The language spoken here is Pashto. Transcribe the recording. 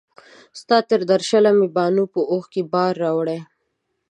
ستا تر درشله مي باڼو په اوښکو بار راوړی